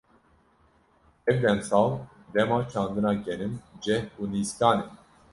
Ev demsal, dema çandina genim, ceh û nîskan e.